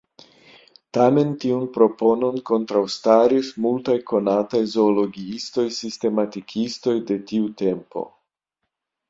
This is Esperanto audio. Tamen, tiun proponon kontraŭstaris multaj konataj zoologiistoj-sistematikistoj de tiu tempo.